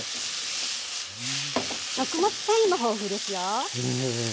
食物繊維も豊富ですよ。